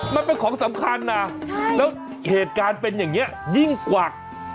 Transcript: มันเป็นของสำคัญนะแล้วเหตุการณ์เป็นอย่างนี้ยิ่งกวัก